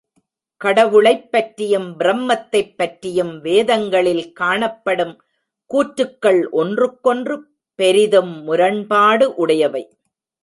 கடவுளைப் பற்றியும் பிரம்மத்தைப் பற்றியும் வேதங்களில் காணப்படும் கூற்றுகள் ஒன்றுக்கொன்று பெரிதும் முரண்பாடு உடையவை.